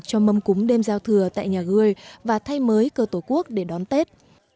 cho mâm cúng đêm giao thừa tại nhà người và thay mới cơ tổ quốc để đón tết